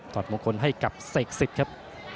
ถอดมงคลให้กับเศกศิษย์ครับ